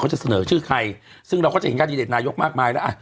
จะเสนอชื่อใครซึ่งเราก็จะเห็นการดิเดตนายกมากมายแล้วอ่ะ